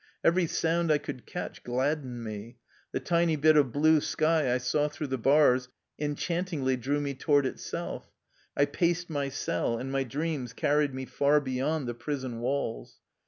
Every sound I could catch gladdened me. The tiny bit of blue sky I saw through the bars enchant ingly drew me toward itself. I paced my cell, and my dreams carried me far beyond the prison walls.